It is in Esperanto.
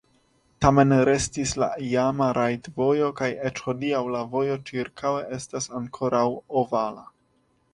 Tamen restis la iama rajdovojo kaj eĉ hodiaŭ la vojo ĉirkaŭe estas ankoraŭ ovala.